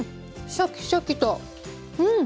シャキシャキとうん！